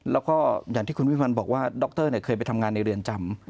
แล้วก็อย่างที่คุณวิพันธ์บอกว่าดรเคยไปทำงานในเรือนจำ